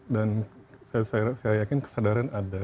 dan saya yakin kesadaran ada